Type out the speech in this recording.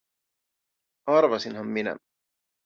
Arvasinhan minä.